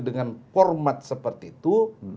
dengan format seperti itu